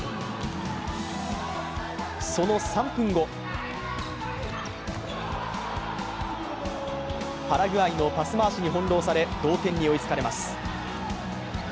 その３分後パラグアイのパス回しに翻弄され同点に追いつかれます。